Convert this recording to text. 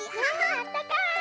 あったかい！